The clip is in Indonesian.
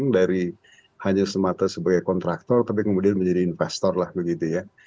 dari hanya semata sebagai kontraktor tapi kemudian menjadi investor lah begitu ya